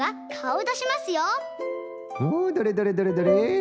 おどれどれどれどれ？